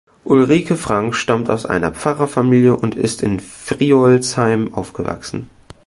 Ulrike Frank stammt aus einer Pfarrerfamilie und ist in Friolzheim aufgewachsen.